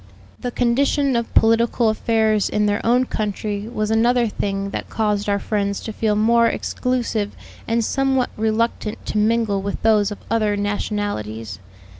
The condition of political affairs in their own country was another thing that caused our friends to feel more exclusive and somewhat reluctant to mingle with those of other nationalities.